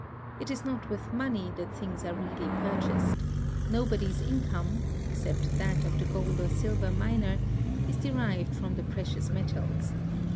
It is not with money that things are really purchased. Nobody's income (except that of the gold or silver miner) is derived from the precious metals.